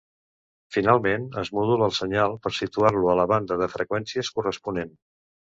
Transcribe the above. Finalment es modula el senyal per situar-lo a la banda de freqüències corresponent.